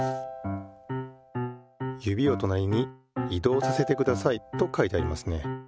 「指をとなりに移動させてください」と書いてありますね。